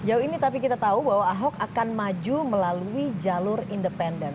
sejauh ini tapi kita tahu bahwa ahok akan maju melalui jalur independen